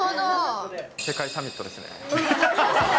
世界サミットですね。